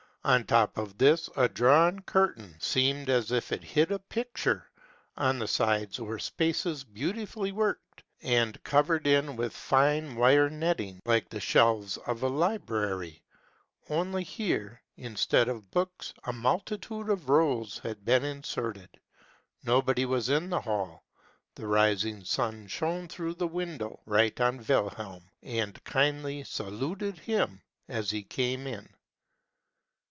On the top of this, a drawn curtain seemed as if it hid a picture ; on the sides were spaces beautifully worked, and covered in with fine wire net ting, like the shelves of a library ; only here, instead of books, a multitude of rolls had been inserted. Nobody was in the hall : the rising sun shone through the window, right on Wilhelm, and kindly saluted him as he came in.